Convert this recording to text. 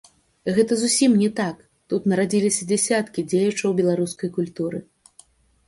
Гэта зусім не так, тут нарадзіліся дзясяткі дзеячаў беларускай культуры.